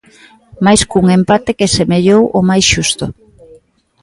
Mais cun empate que semellou o máis xusto.